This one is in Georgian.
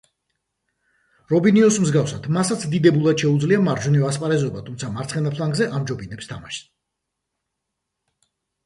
რობინიოს მსგავსად მასაც დიდებულად შეუძლია მარჯვნივ ასპარეზობა, თუმცა მარცხენა ფლანგზე ამჯობინებს თამაშს.